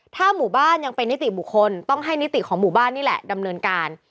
ถ้าหมู่บ้านยังเป็นนิติบุคคลต้องให้นิติของหมู่บ้านนี่แหละดำเนินการ